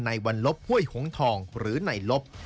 ในวันลบห้วยหงทองหรือในลบ